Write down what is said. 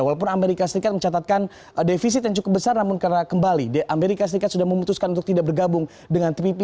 walaupun amerika serikat mencatatkan defisit yang cukup besar namun karena kembali amerika serikat sudah memutuskan untuk tidak bergabung dengan tpp